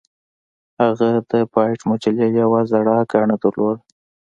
هغه د بایټ مجلې یوه زړه ګڼه درلوده